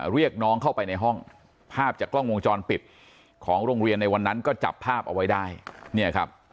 เรียกน้องเข้าไปในห้องภาพจากกล้องวงจรปิดของโรงเรียนในวันนั้นก็จับภาพเอาไว้ได้เนี่ยครับ